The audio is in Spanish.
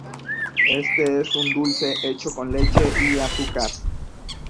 Este es un dulce hecho con leche y azúcar.